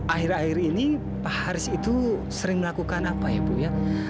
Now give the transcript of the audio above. akhir akhir ini pak haris itu sering melakukan apa ya bu ya